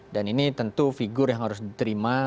dan ini tentu figur yang harus diterima